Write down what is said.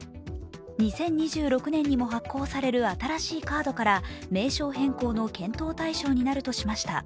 ２０２６年にも発行される新しいカードから名称変更の対象になるとしました。